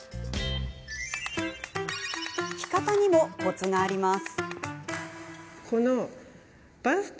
着方にも、コツがあります。